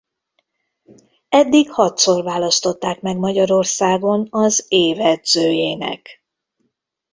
Eddig hatszor választották meg Magyarországon az év edzőjének.